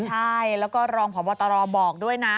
ใช่แล้วก็รองพบตรบอกด้วยนะ